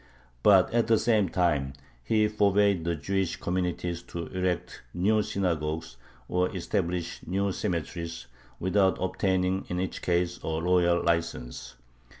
But at the same time he forbade the Jewish communities to erect new synagogues or establish new cemeteries, without obtaining in each case a royal license.